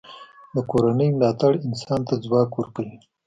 د کورنۍ ملاتړ انسان ته ځواک ورکوي.